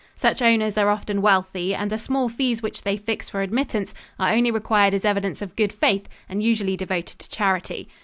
Such owners are often wealthy and the small fees which they fix for admittance are only required as evidence of good faith and usually devoted to charity.